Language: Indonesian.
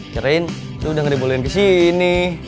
kirain lo udah gak dibolehin kesini